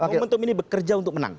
momentum ini bekerja untuk menang